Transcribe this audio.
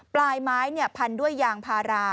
ปลายไม้พันด้วยยางพารา